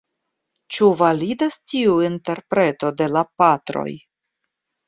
Ĉu validas tiu interpreto de la Patroj?